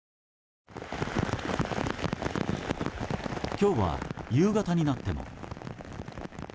今日は夕方になっても。